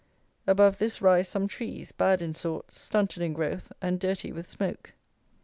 Above this rise some trees, bad in sorts, stunted in growth, and dirty with smoke.